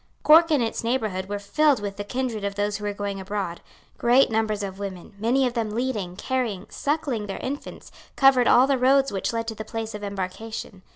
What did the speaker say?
Cork and its neighbourhood were filled with the kindred of those who were going abroad. Great numbers of women, many of them leading, carrying, suckling their infants, covered all the roads which led to the place of embarkation.